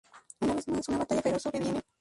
Una vez más, una batalla feroz sobreviene.